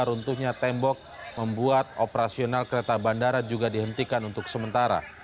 runtuhnya tembok membuat operasional kereta bandara juga dihentikan untuk sementara